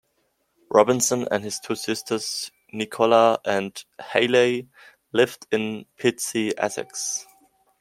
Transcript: Robinson and his two sisters, Nicola and Hayley, lived in Pitsea, Essex.